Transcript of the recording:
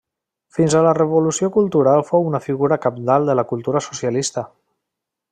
Fins a la Revolució Cultural fou una figura cabdal de la cultura socialista.